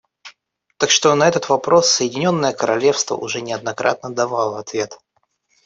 Так что на этот вопрос Соединенное Королевство уже неоднократно давало ответ.